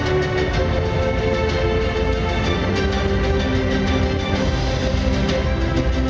ก็ไม่รู้ก็ดูกันไป